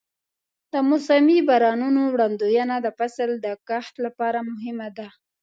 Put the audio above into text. د موسمي بارانونو وړاندوینه د فصل د کښت لپاره مهمه ده.